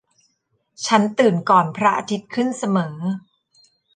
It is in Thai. ฉันตื่นก่อนพระอาทิตย์ขึ้นเสมอ